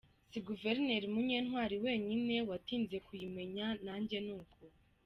Si guverineri Munyentwali wenyine watinze kuyimenya, najye ni uko.